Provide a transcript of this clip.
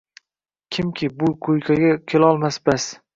Kimki bu quyqaga kelolmasa bas